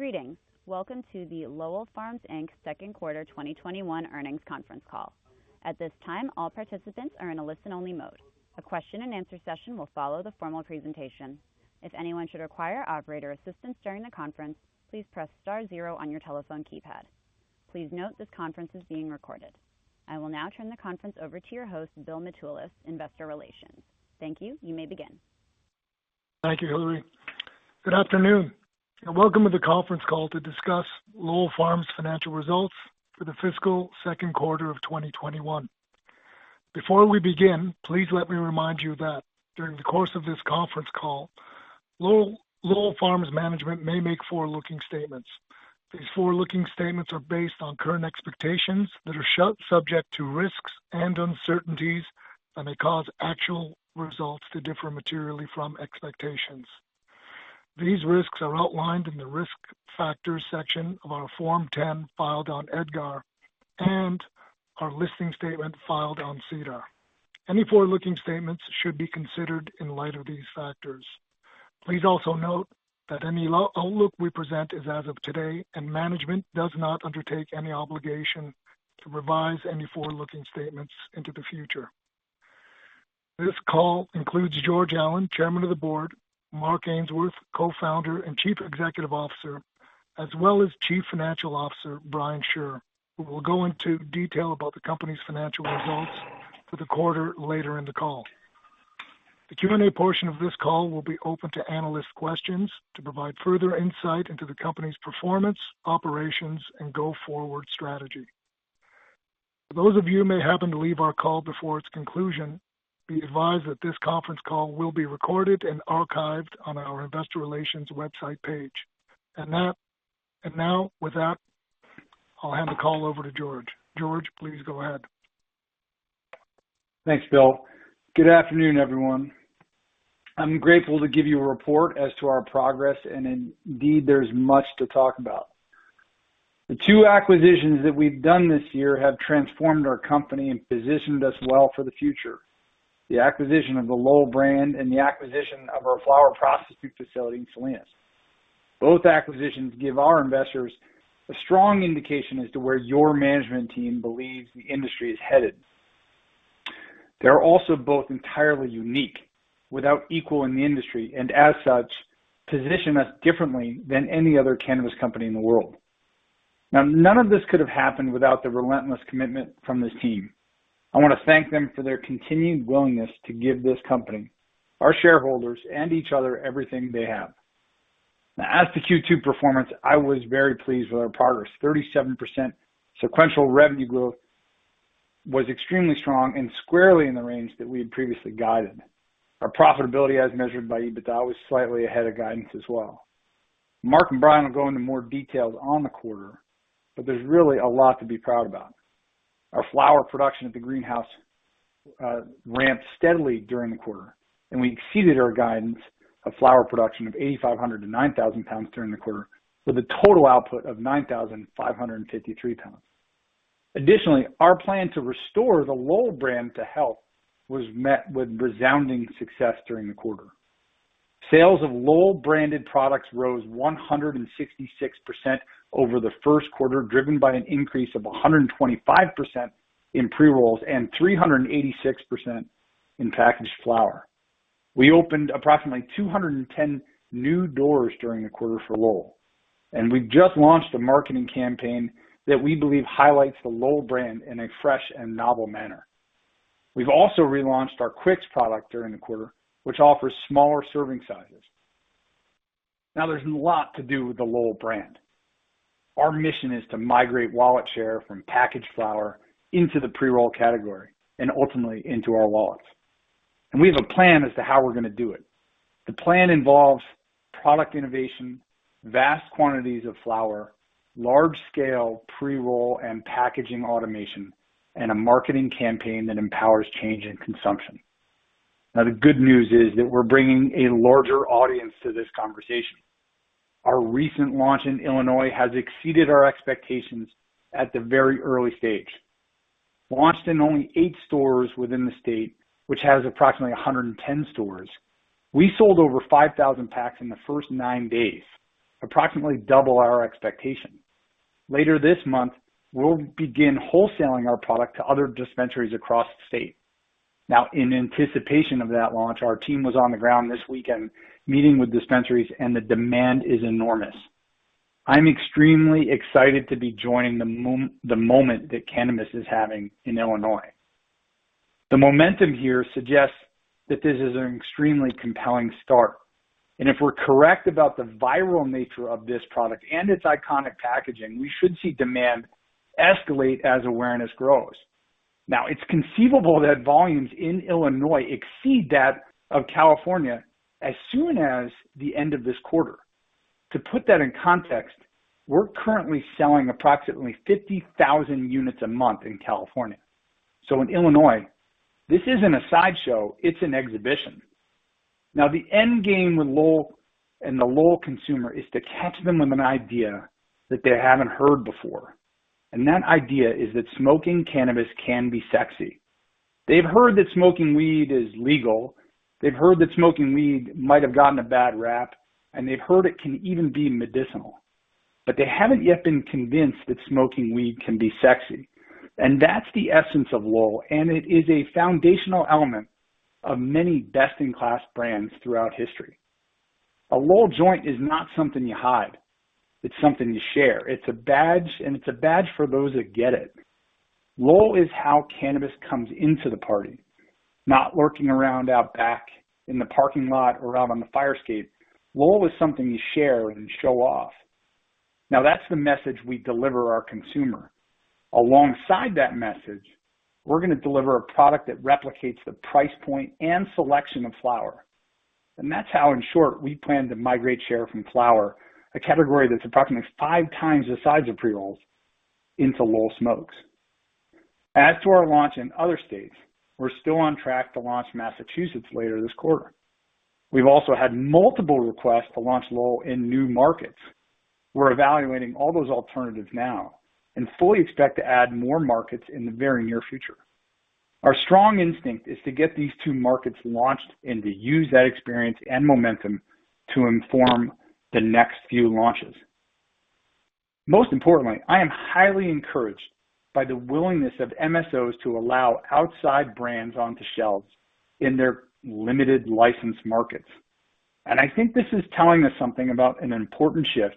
Greetings. Welcome to the Lowell Farms Inc second quarter 2021 earnings conference call. At this time, all participants are in a listen-only mode. A question and answer session will follow the formal presentation. If anyone should require operator assistance during the conference, please press star zero on your telephone keypad. Please note this conference is being recorded. I will now turn the conference over to your host, Bill Mitoulas, Investor Relations. Thank you. You may begin. Thank you, Hillary. Good afternoon, and welcome to the conference call to discuss Lowell Farms' financial results for the fiscal second quarter of 2021. Before we begin, please let me remind you that during the course of this conference call, Lowell Farms management may make forward-looking statements. These forward-looking statements are based on current expectations that are subject to risks and uncertainties, and may cause actual results to differ materially from expectations. These risks are outlined in the Risk Factors section of our Form 10 filed on EDGAR and our listing statement filed on SEDAR. Any forward-looking statements should be considered in light of these factors. Please also note that any outlook we present is as of today, and management does not undertake any obligation to revise any forward-looking statements into the future. This call includes George Allen, Chairman of the Board; Mark Ainsworth, Co-Founder and Chief Executive Officer; as well as Chief Financial Officer, Brian Shure, who will go into detail about the company's financial results for the quarter later in the call. The Q&A portion of this call will be open to analyst questions to provide further insight into the company's performance, operations, and go-forward strategy. For those of you who may happen to leave our call before its conclusion, be advised that this conference call will be recorded and archived on our investor relations website page. Now, with that, I'll hand the call over to George. George, please go ahead. Thanks, Bill. Good afternoon, everyone. I'm grateful to give you a report as to our progress, and indeed, there's much to talk about. The two acquisitions that we've done this year have transformed our company and positioned us well for the future. The acquisition of the Lowell brand and the acquisition of our flower processing facility in Salinas. Both acquisitions give our investors a strong indication as to where your management team believes the industry is headed. They are also both entirely unique, without equal in the industry, and as such, position us differently than any other cannabis company in the world. Now, none of this could have happened without the relentless commitment from this team. I want to thank them for their continued willingness to give this company, our shareholders, and each other everything they have. Now, as to Q2 performance, I was very pleased with our progress, 37% sequential revenue growth was extremely strong and squarely in the range that we had previously guided. Our profitability as measured by EBITDA was slightly ahead of guidance as well. Mark and Brian will go into more details on the quarter, but there's really a lot to be proud about. Our flower production at the greenhouse ramped steadily during the quarter, and we exceeded our guidance of flower production of 8,500-9,000 pounds during the quarter, with a total output of 9,553 pounds. Additionally, our plan to restore the Lowell brand to health was met with resounding success during the quarter. Sales of Lowell branded products rose 166% over the first quarter, driven by an increase of 125% in pre-rolls and 386% in packaged flower. We opened approximately 210 new doors during the quarter for Lowell, and we've just launched a marketing campaign that we believe highlights the Lowell brand in a fresh and novel manner. We've also relaunched our Quicks product during the quarter, which offers smaller serving sizes. There's a lot to do with the Lowell brand. Our mission is to migrate wallet share from packaged flower into the pre-roll category and ultimately into our wallets. We have a plan as to how we're going to do it. The plan involves product innovation, vast quantities of flower, large-scale pre-roll and packaging automation, and a marketing campaign that empowers change in consumption. The good news is that we're bringing a larger audience to this conversation. Our recent launch in Illinois has exceeded our expectations at the very early stage. Launched in only eight stores within the state, which has approximately 110 stores, we sold over 5,000 packs in the first nine days, approximately double our expectation. Later this month, we'll begin wholesaling our product to other dispensaries across the state. Now, in anticipation of that launch, our team was on the ground this weekend meeting with dispensaries, and the demand is enormous. I'm extremely excited to be joining the moment that cannabis is having in Illinois. The momentum here suggests that this is an extremely compelling start, and if we're correct about the viral nature of this product and its iconic packaging, we should see demand escalate as awareness grows. Now, it's conceivable that volumes in Illinois exceed that of California as soon as the end of this quarter. To put that in context, we're currently selling approximately 50,000 units a month in California. In Illinois, this isn't a sideshow, it's an exhibition. Now, the end game with Lowell and the Lowell consumer is to catch them with an idea that they haven't heard before, and that idea is that smoking cannabis can be sexy. They've heard that smoking weed is legal, they've heard that smoking weed might have gotten a bad rap, and they've heard it can even be medicinal. They haven't yet been convinced that smoking weed can be sexy, and that's the essence of Lowell, and it is a foundational element of many best-in-class brands throughout history. A Lowell joint is not something you hide. It's something you share. It's a badge, and it's a badge for those that get it. Lowell is how cannabis comes into the party, not lurking around out back in the parking lot or out on the fire escape. Lowell is something you share and show off. That's the message we deliver our consumer. Alongside that message, we're going to deliver a product that replicates the price point and selection of flower. That's how, in short, we plan to migrate share from flower, a category that's approximately 5x the size of pre-rolls, into Lowell Smokes. As to our launch in other states, we're still on track to launch Massachusetts later this quarter. We've also had multiple requests to launch Lowell in new markets. We're evaluating all those alternatives now and fully expect to add more markets in the very near future. Our strong instinct is to get these two markets launched and to use that experience and momentum to inform the next few launches. Most importantly, I am highly encouraged by the willingness of MSOs to allow outside brands onto shelves in their limited license markets. I think this is telling us something about an important shift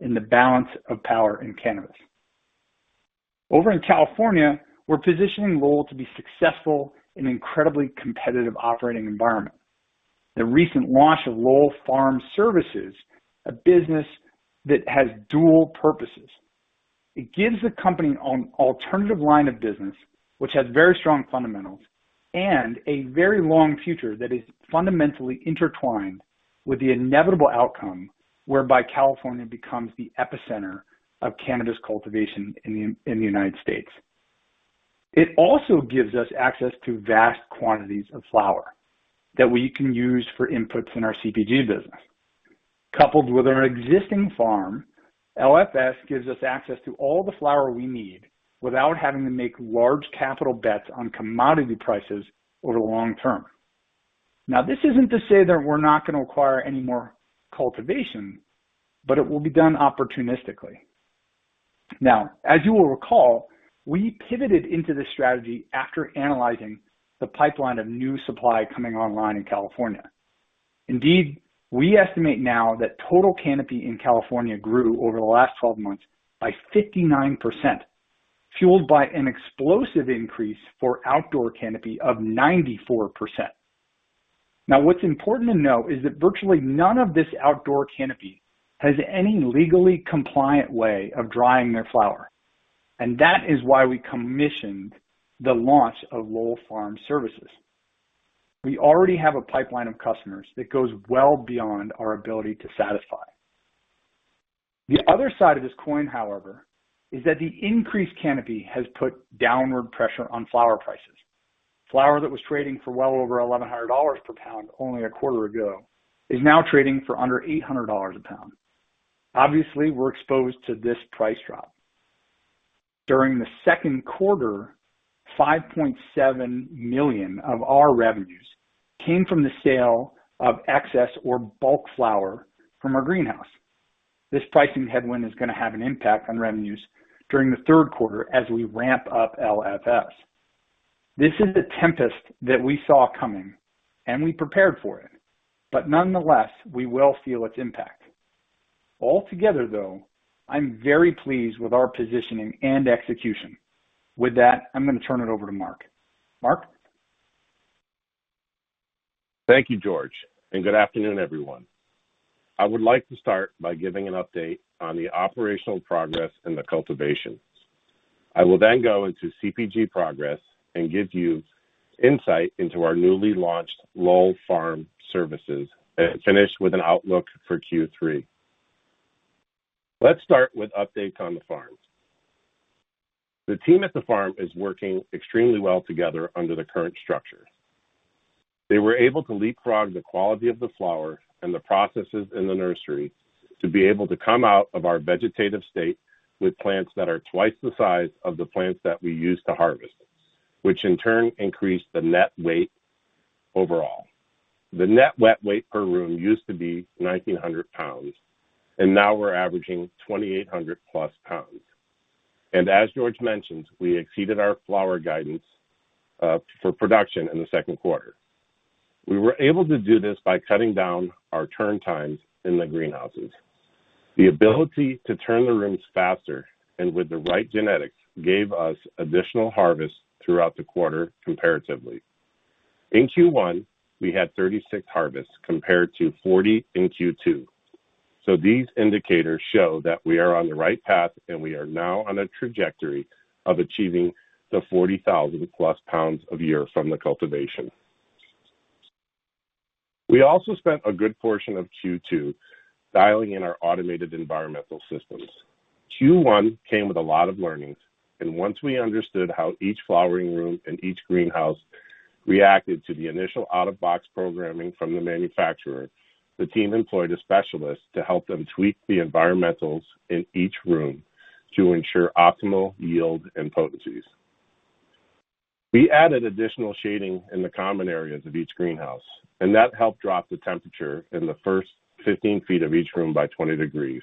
in the balance of power in cannabis. Over in California, we're positioning Lowell to be successful in an incredibly competitive operating environment. The recent launch of Lowell Farm Services, a business that has dual purposes. It gives the company an alternative line of business, which has very strong fundamentals and a very long future that is fundamentally intertwined with the inevitable outcome whereby California becomes the epicenter of cannabis cultivation in the U.S. It also gives us access to vast quantities of flower that we can use for inputs in our CPG business. Coupled with our existing farm, LFS gives us access to all the flower we need without having to make large capital bets on commodity prices over the long term. This isn't to say that we're not going to require any more cultivation, but it will be done opportunistically. As you will recall, we pivoted into this strategy after analyzing the pipeline of new supply coming online in California. Indeed, we estimate now that total canopy in California grew over the last 12 months by 59%, fueled by an explosive increase for outdoor canopy of 94%. What's important to note is that virtually none of this outdoor canopy has any legally compliant way of drying their flower, and that is why we commissioned the launch of Lowell Farm Services. We already have a pipeline of customers that goes well beyond our ability to satisfy. The other side of this coin, however, is that the increased canopy has put downward pressure on flower prices. Flower that was trading for well over $1,100 per pound only a quarter ago is now trading for under $800 a pound. Obviously, we're exposed to this price drop. During the second quarter, $5.7 million of our revenues came from the sale of excess or bulk flower from our greenhouse. This pricing headwind is going to have an impact on revenues during the third quarter as we ramp up LFS. This is a tempest that we saw coming, and we prepared for it. Nonetheless, we will feel its impact. Altogether, though, I'm very pleased with our positioning and execution. With that, I'm going to turn it over to Mark. Mark? Thank you, George, and good afternoon, everyone. I would like to start by giving an update on the operational progress in the cultivation. I will then go into CPG progress and give you insight into our newly launched Lowell Farm Services, and finish with an outlook for Q3. Let's start with updates on the farms. The team at the farm is working extremely well together under the current structure. They were able to leapfrog the quality of the flower and the processes in the nursery to be able to come out of our vegetative state with plants that are twice the size of the plants that we used to harvest, which in turn increased the net weight overall. The net wet weight per room used to be 1,900 pounds, and now we're averaging 2,800+ pounds. As George mentioned, we exceeded our flower guidance for production in the second quarter. We were able to do this by cutting down our turn times in the greenhouses. The ability to turn the rooms faster and with the right genetics gave us additional harvests throughout the quarter comparatively. In Q1, we had 36 harvests compared to 40 in Q2. These indicators show that we are on the right path, and we are now on a trajectory of achieving the 40,000+ pounds a year from the cultivation. We also spent a good portion of Q2 dialing in our automated environmental systems. Q1 came with a lot of learnings, and once we understood how each flowering room and each greenhouse reacted to the initial out-of-box programming from the manufacturer. The team employed a specialist to help them tweak the environmentals in each room to ensure optimal yield and potencies. We added additional shading in the common areas of each greenhouse, and that helped drop the temperature in the first 15 ft of each room by 20 degrees.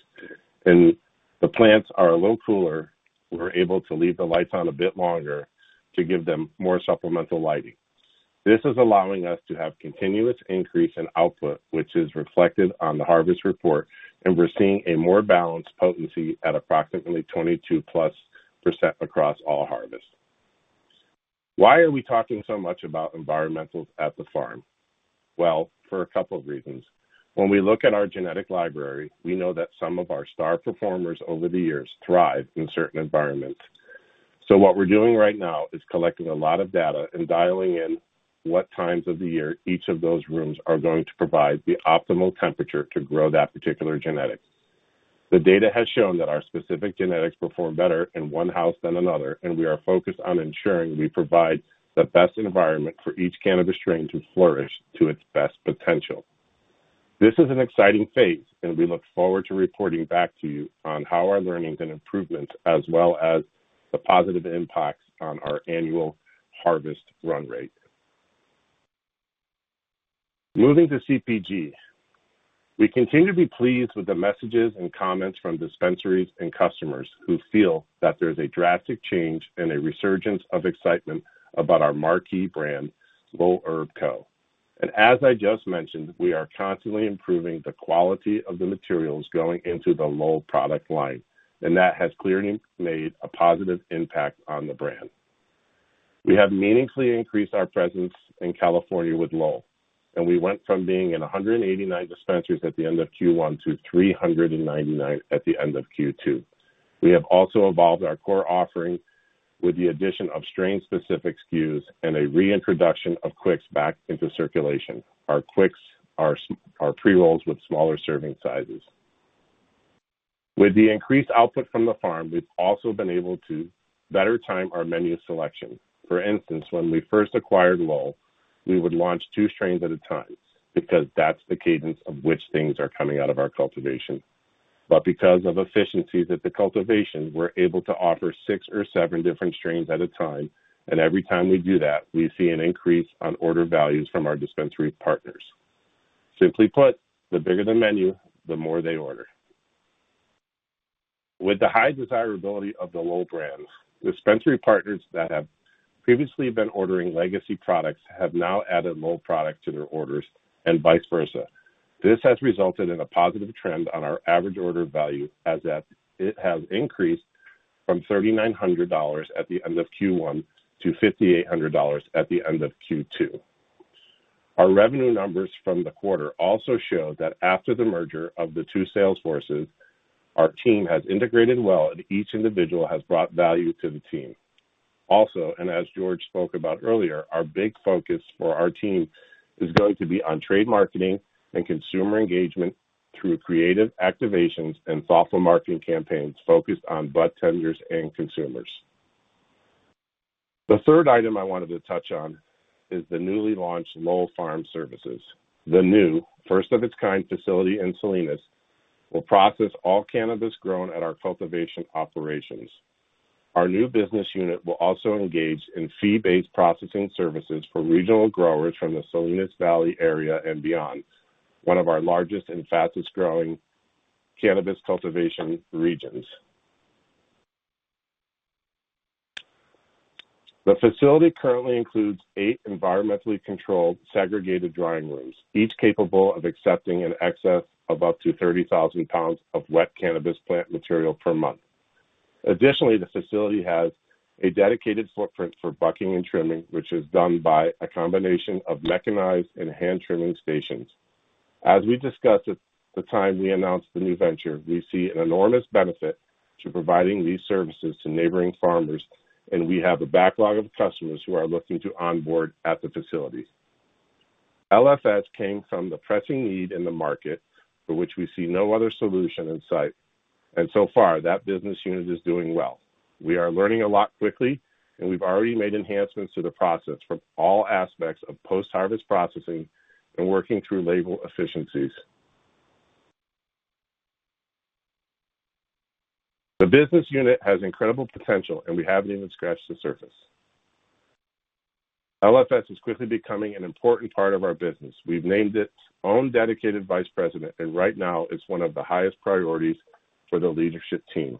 When the plants are a little cooler, we're able to leave the lights on a bit longer to give them more supplemental lighting. This is allowing us to have continuous increase in output, which is reflected on the harvest report, and we're seeing a more balanced potency at approximately 22%+ across all harvests. Why are we talking so much about environmentals at the farm? Well, for a couple of reasons. When we look at our genetic library, we know that some of our star performers over the years thrive in certain environments. What we're doing right now is collecting a lot of data and dialing in what times of the year each of those rooms are going to provide the optimal temperature to grow that particular genetic. The data has shown that our specific genetics perform better in one house than another, and we are focused on ensuring we provide the best environment for each cannabis strain to flourish to its best potential. This is an exciting phase, and we look forward to reporting back to you on how our learnings and improvements, as well as the positive impacts on our annual harvest run rate. Moving to CPG. We continue to be pleased with the messages and comments from dispensaries and customers who feel that there's a drastic change and a resurgence of excitement about our marquee brand, Lowell Herb Co. As I just mentioned, we are constantly improving the quality of the materials going into the Lowell product line, and that has clearly made a positive impact on the brand. We have meaningfully increased our presence in California with Lowell, and we went from being in 189 dispensaries at the end of Q1 to 399 at the end of Q2. We have also evolved our core offering with the addition of strain-specific SKUs and a reintroduction of Quicks back into circulation. Our Quicks are pre-rolls with smaller serving sizes. With the increased output from the farm, we've also been able to better time our menu selection. For instance, when we first acquired Lowell, we would launch two strains at a time because that's the cadence of which things are coming out of our cultivation. Because of efficiencies at the cultivation, we're able to offer six or seven different strains at a time, and every time we do that, we see an increase on order values from our dispensary partners. Simply put, the bigger the menu, the more they order. With the high desirability of the Lowell brand, dispensary partners that have previously been ordering legacy products have now added Lowell product to their orders and vice versa. This has resulted in a positive trend on our average order value, as it has increased from $3,900 at the end of Q1 to $5,800 at the end of Q2. Our revenue numbers from the quarter also show that after the merger of the two sales forces, our team has integrated well, and each individual has brought value to the team. As George spoke about earlier, our big focus for our team is going to be on trade marketing and consumer engagement through creative activations and thoughtful marketing campaigns focused on budtenders and consumers. The third item I wanted to touch on is the newly launched Lowell Farm Services. The new, first-of-its-kind facility in Salinas will process all cannabis grown at our cultivation operations. Our new business unit will also engage in fee-based processing services for regional growers from the Salinas Valley area and beyond, one of our largest and fastest-growing cannabis cultivation regions. The facility currently includes eight environmentally controlled segregated drying rooms, each capable of accepting in excess of up to 30,000 pounds of wet cannabis plant material per month. The facility has a dedicated footprint for bucking and trimming, which is done by a combination of mechanized and hand-trimming stations. As we discussed at the time we announced the new venture, we see an enormous benefit to providing these services to neighboring farmers, we have a backlog of customers who are looking to onboard at the facility. LFS came from the pressing need in the market for which we see no other solution in sight, so far, that business unit is doing well. We are learning a lot quickly, we've already made enhancements to the process from all aspects of post-harvest processing and working through labor efficiencies. The business unit has incredible potential, and we haven't even scratched the surface. LFS is quickly becoming an important part of our business. We've named its own dedicated vice president, right now, it's one of the highest priorities for the leadership team.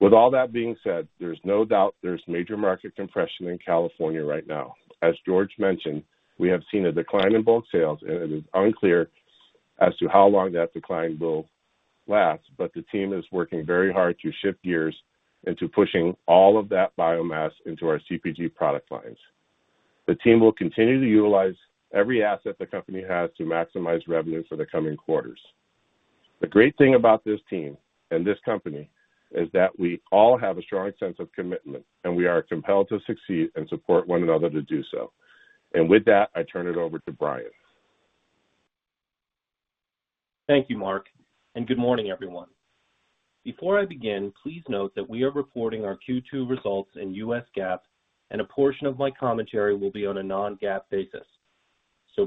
With all that being said, there's no doubt there's major market compression in California right now. As George mentioned, we have seen a decline in bulk sales, and it is unclear as to how long that decline will last, but the team is working very hard to shift gears into pushing all of that biomass into our CPG product lines. The team will continue to utilize every asset the company has to maximize revenue for the coming quarters. The great thing about this team and this company is that we all have a strong sense of commitment, and we are compelled to succeed and support one another to do so. With that, I turn it over to Brian. Thank you, Mark. Good morning, everyone. Before I begin, please note that we are reporting our Q2 results in U.S. GAAP, and a portion of my commentary will be on a non-GAAP basis.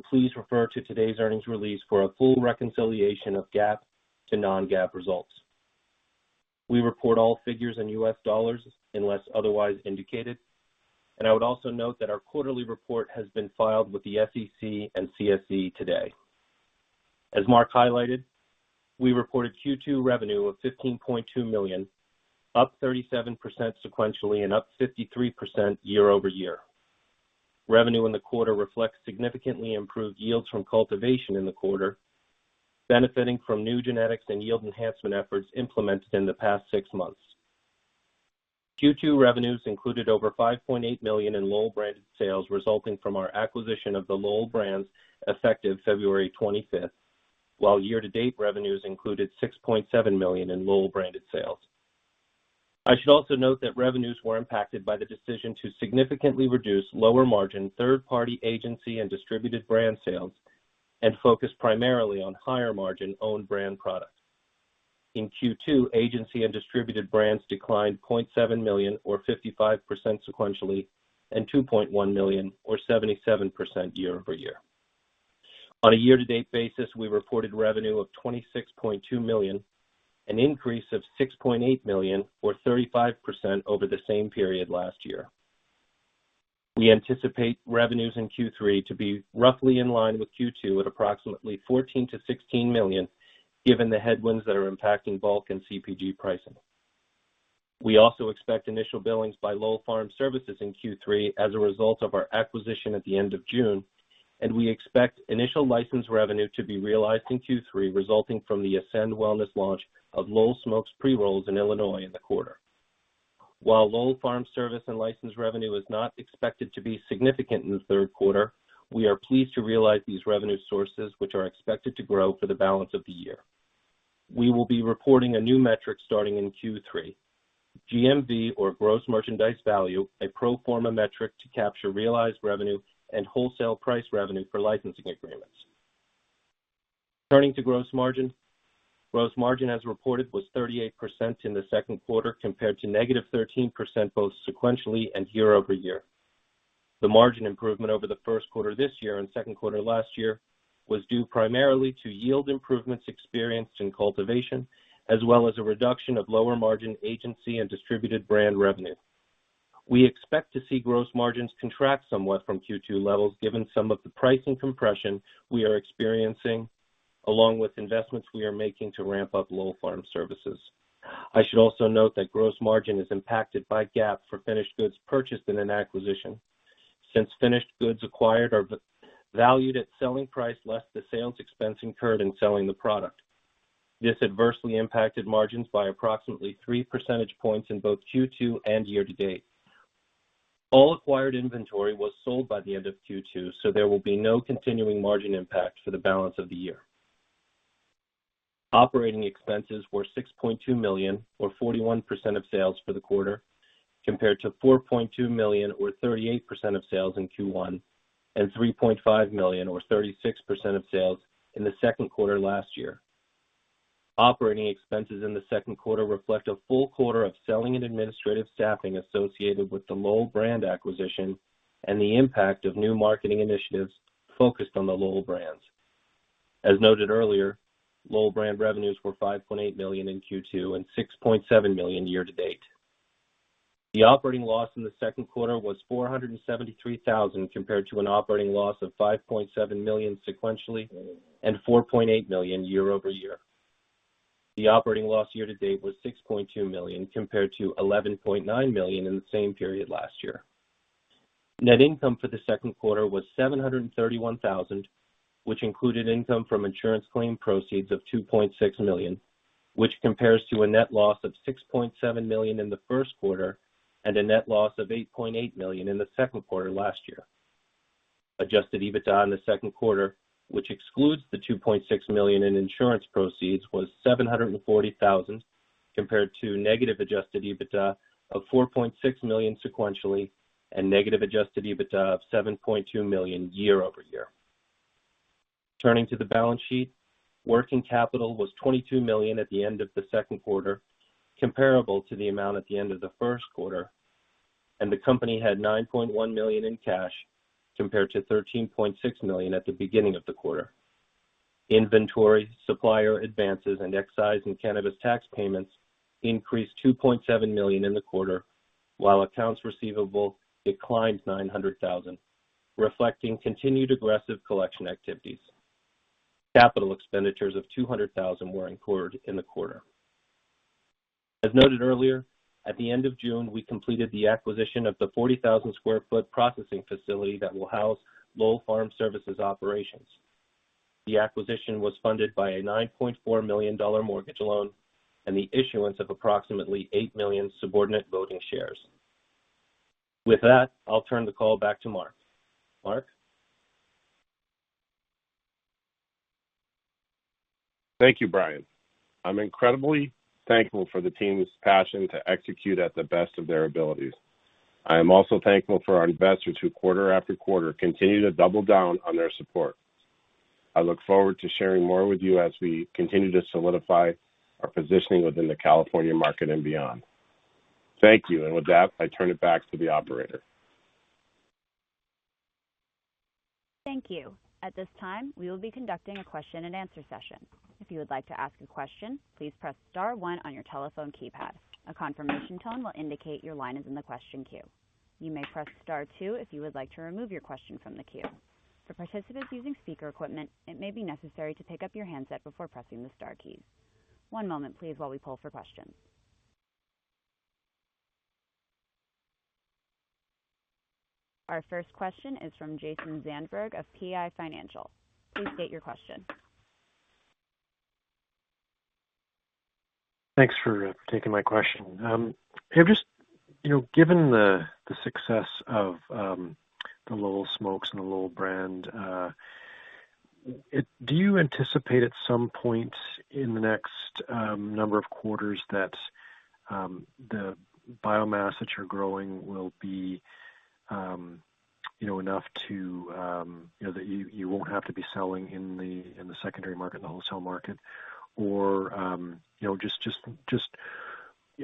Please refer to today's earnings release for a full reconciliation of GAAP to non-GAAP results. We report all figures in US dollars unless otherwise indicated. I would also note that our quarterly report has been filed with the SEC and CSE today. As Mark highlighted, we reported Q2 revenue of $15.2 million, up 37% sequentially and up 53% year-over-year. Revenue in the quarter reflects significantly improved yields from cultivation in the quarter, benefiting from new genetics and yield enhancement efforts implemented in the past six months. Q2 revenues included over $5.8 million in Lowell-branded sales resulting from our acquisition of the Lowell brands effective February 25th, while year-to-date revenues included $6.7 million in Lowell-branded sales. I should also note that revenues were impacted by the decision to significantly reduce lower-margin, third-party agency and distributed brand sales and focus primarily on higher-margin, owned brand products. In Q2, agency and distributed brands declined $0.7 million, or 55% sequentially, and $2.1 million, or 77% year over year. On a year-to-date basis, we reported revenue of $26.2 million, an increase of $6.8 million, or 35% over the same period last year. We anticipate revenues in Q3 to be roughly in line with Q2 at approximately $14 million-$16 million, given the headwinds that are impacting bulk and CPG pricing. We also expect initial billings by Lowell Farm Services in Q3 as a result of our acquisition at the end of June, and we expect initial license revenue to be realized in Q3, resulting from the Ascend Wellness launch of Lowell Smokes pre-rolls in Illinois in the quarter. While Lowell Farm Services and license revenue is not expected to be significant in the third quarter, we are pleased to realize these revenue sources, which are expected to grow for the balance of the year. We will be reporting a new metric starting in Q3: GMV, or gross merchandise value, a pro forma metric to capture realized revenue and wholesale price revenue for licensing agreements. Turning to gross margin. Gross margin, as reported, was 38% in the second quarter, compared to negative 13% both sequentially and year-over-year. The margin improvement over the first quarter this year and second quarter last year was due primarily to yield improvements experienced in cultivation, as well as a reduction of lower-margin agency and distributed brand revenue. We expect to see gross margins contract somewhat from Q2 levels, given some of the pricing compression we are experiencing, along with investments we are making to ramp up Lowell Farm Services. I should also note that gross margin is impacted by GAAP for finished goods purchased in an acquisition, since finished goods acquired are valued at selling price less the sales expense incurred in selling the product. This adversely impacted margins by approximately three percentage points in both Q2 and year to date. All acquired inventory was sold by the end of Q2, so there will be no continuing margin impact for the balance of the year. Operating expenses were $6.2 million, or 41% of sales for the quarter, compared to $4.2 million, or 38% of sales in Q1, and $3.5 million, or 36% of sales in the second quarter last year. Operating expenses in the second quarter reflect a full quarter of selling and administrative staffing associated with the Lowell brand acquisition and the impact of new marketing initiatives focused on the Lowell brands. As noted earlier, Lowell brand revenues were $5.8 million in Q2 and $6.7 million year to date. The operating loss in the second quarter was $473,000, compared to an operating loss of $5.7 million sequentially and $4.8 million year-over-year. The operating loss year to date was $6.2 million, compared to $11.9 million in the same period last year. Net income for the second quarter was $731,000, which included income from insurance claim proceeds of $2.6 million, which compares to a net loss of $6.7 million in the first quarter and a net loss of $8.8 million in the second quarter last year. Adjusted EBITDA in the second quarter, which excludes the $2.6 million in insurance proceeds, was $740,000, compared to negative adjusted EBITDA of $4.6 million sequentially and negative adjusted EBITDA of $7.2 million year-over-year. Turning to the balance sheet, working capital was $22 million at the end of the second quarter, comparable to the amount at the end of the first quarter. The company had $9.1 million in cash, compared to $13.6 million at the beginning of the quarter. Inventory, supplier advances, and excise and cannabis tax payments increased $2.7 million in the quarter, while accounts receivable declined $900,000, reflecting continued aggressive collection activities. Capital expenditures of $200,000 were incurred in the quarter. As noted earlier, at the end of June, we completed the acquisition of the 40,000 sq ft processing facility that will house Lowell Farm Services operations. The acquisition was funded by a $9.4 million mortgage loan and the issuance of approximately 8 million subordinate voting shares. With that, I'll turn the call back to Mark. Mark? Thank you, Brian. I'm incredibly thankful for the team's passion to execute at the best of their abilities. I am also thankful for our investors who quarter after quarter continue to double down on their support. I look forward to sharing more with you as we continue to solidify our positioning within the California market and beyond. Thank you. With that, I turn it back to the operator. Thank you. Our first question is from Jason Zandberg of PI Financial. Please state your question. Thanks for taking my question. Given the success of the Lowell Smokes and the Lowell brand, do you anticipate at some point in the next number of quarters that the biomass that you're growing will be enough that you won't have to be selling in the secondary market and the wholesale market?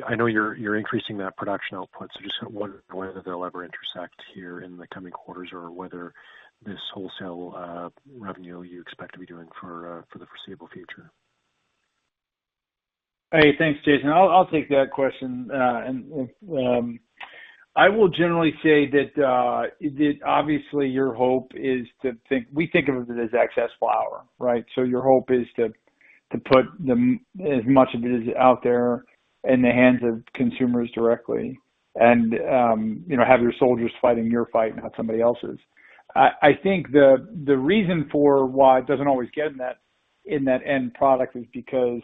I know you're increasing that production output, just wondering whether they'll ever intersect here in the coming quarters or whether this wholesale revenue you expect to be doing for the foreseeable future. Hey, thanks, Jason. I'll take that question. I will generally say that obviously our hope is to, we think of it as excess flower, right? Your hope is to put as much of it as out there in the hands of consumers directly, and have your soldiers fighting your fight, not somebody else's. I think the reason for why it doesn't always get in that end product is because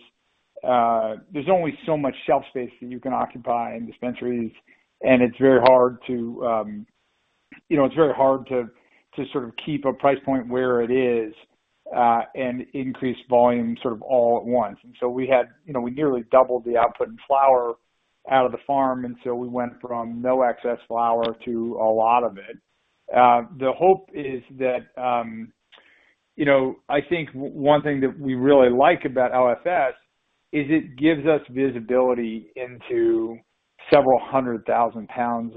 there's only so much shelf space that you can occupy in dispensaries, and it's very hard to sort of keep a price point where it is, and increase volume sort of all at once. We nearly doubled the output in flower out of the farm, we went from no excess flower to a lot of it. I think one thing that we really like about LFS is it gives us visibility into several hundred thousand pounds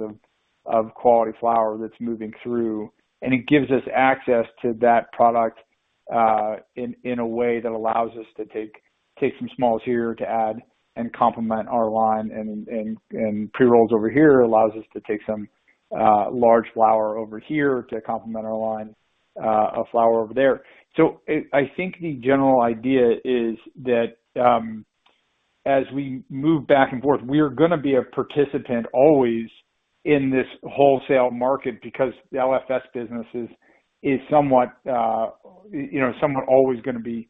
of quality flower that's moving through, and it gives us access to that product, in a way that allows us to take some smalls here to add and complement our line and pre-rolls over here. Allows us to take some large flower over here to complement our line of flower over there. I think the general idea is that, as we move back and forth, we are going to be a participant always in this wholesale market because the LFS business is somewhat always going to be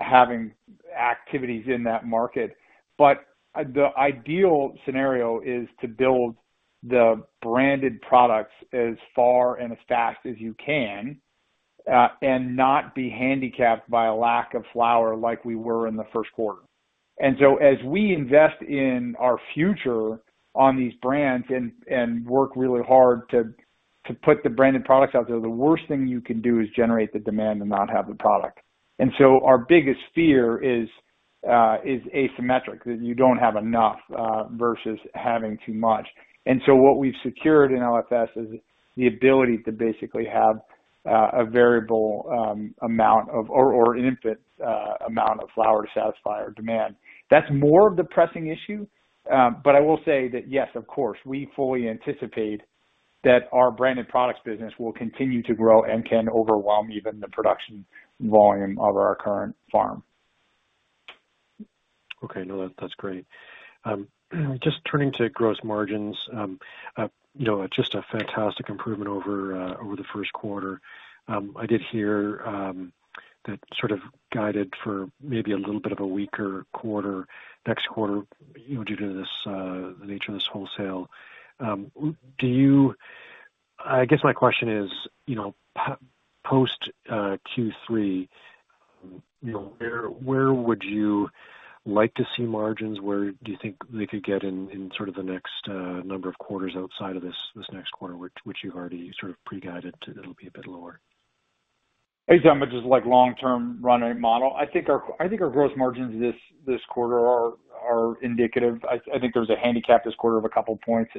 having activities in that market. The ideal scenario is to build the branded products as far and as fast as you can, and not be handicapped by a lack of flower like we were in the first quarter. As we invest in our future on these brands and work really hard to put the branded products out there, the worst thing you can do is generate the demand and not have the product. Our biggest fear is asymmetric, that you don't have enough, versus having too much. What we've secured in LFS is the ability to basically have a variable amount of, or an infinite amount of flower to satisfy our demand. That's more of the pressing issue. I will say that yes, of course, we fully anticipate that our branded products business will continue to grow and can overwhelm even the production volume of our current farm. Okay. No, that's great. Just turning to gross margins, just a fantastic improvement over the 1st quarter. I did hear that sort of guided for maybe a little bit of a weaker quarter next quarter due to the nature of this wholesale. I guess my question is, post Q3, where would you like to see margins? Where do you think they could get in sort of the next number of quarters outside of this next quarter, which you've already sort of pre-guided to, that'll be a bit lower? I'm going to just like long-term runway model. I think our gross margins this quarter are indicative. I think there's a handicap this quarter of a couple of points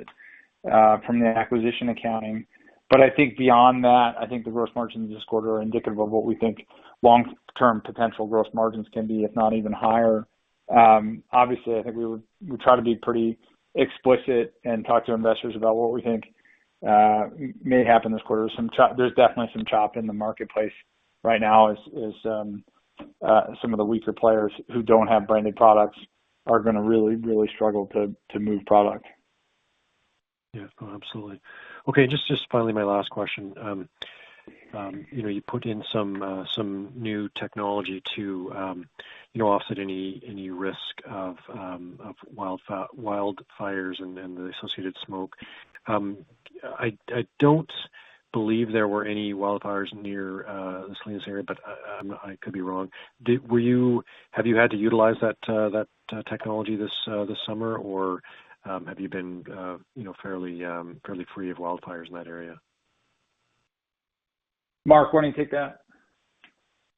from the acquisition accounting. I think beyond that, I think the gross margins this quarter are indicative of what we think long-term potential gross margins can be, if not even higher. Obviously, I think we try to be pretty explicit and talk to investors about what we think may happen this quarter. There's definitely some chop in the marketplace right now as some of the weaker players who don't have branded products are going to really, really struggle to move product. Yeah. No, absolutely. Okay. Just finally, my last question. You put in some new technology to offset any risk of wildfires and the associated smoke. I don't believe there were any wildfires near the Salinas area, but I could be wrong. Have you had to utilize that technology this summer, or have you been fairly free of wildfires in that area? Mark, why don't you take that?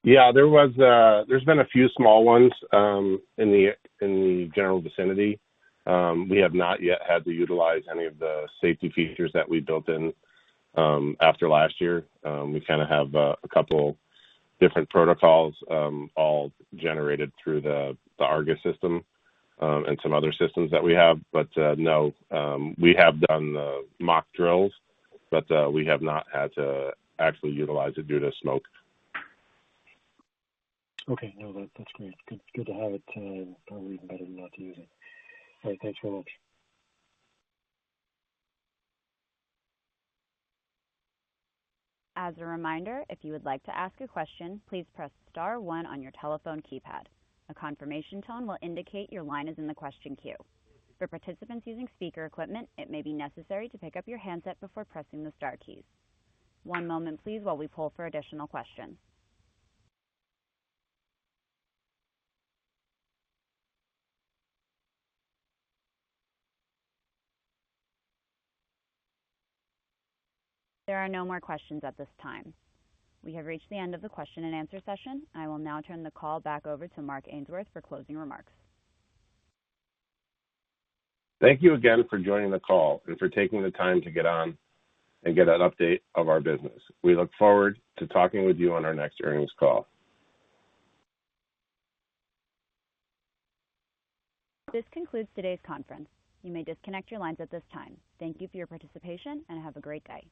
There's been a few small ones in the general vicinity. We have not yet had to utilize any of the safety features that we built in after last year. We have a couple different protocols all generated through the Argus system and some other systems that we have. No, we have done the mock drills, but we have not had to actually utilize it due to smoke. Okay. No, that's great. Good to have it, and probably even better not to use it. All right, thanks very much. There are no more questions at this time. We have reached the end of the question-and-answer session. I will now turn the call back over to Mark Ainsworth for closing remarks. Thank you again for joining the call and for taking the time to get on and get an update of our business. We look forward to talking with you on our next earnings call. This concludes today's conference. You may disconnect your lines at this time. Thank you for your participation, and have a great day.